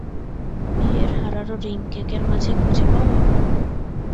বিয়ের হারানো রিং কেকের মাঝে খুঁজে পাওয়া?